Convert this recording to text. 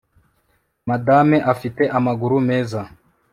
madame afite amaguru meza